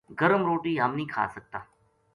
گرم روٹی ہم نیہہ کھا سکتا‘‘